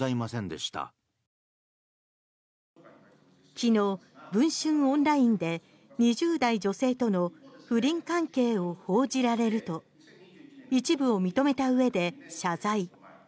昨日、文春オンラインで２０代女性との不倫関係を報じられると一部を認めたうえで謝罪。